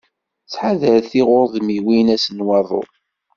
Ttḥadaret tiɣurdmiwin ass n waḍu.